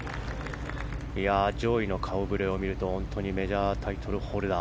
上位の顔ぶれを見ると本当にメジャータイトルホルダー。